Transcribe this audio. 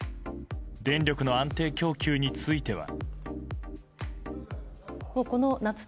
電力の安定供給については。